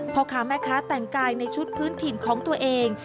พ่อค้าแม่ค้าแต่งกายในชุดพื้นถิ่นของตัวเอง